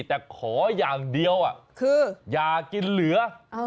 แต่ขออย่างเดียวคืออย่ากินเหลือ